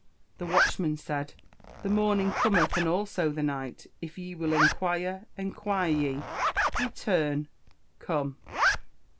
The watchman said, The morning cometh, and also the night; if ye will enquire, enquire ye; return, come."